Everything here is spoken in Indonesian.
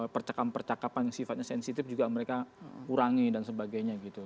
percakapan percakapan yang sifatnya sensitif juga mereka kurangi dan sebagainya gitu